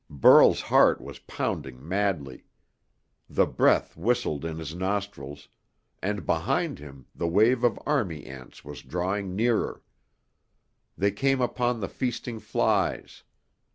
Burl's heart was pounding madly. The breath whistled in his nostrils and behind him, the wave of army ants was drawing nearer. They came upon the feasting flies.